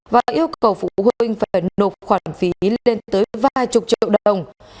và yêu cầu phụ huynh phải nộp khoản phí lên tới ba mươi triệu đồng